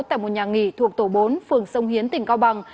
tại một nhà nghỉ thuộc tổ bốn phường sông hiến tỉnh cao bằng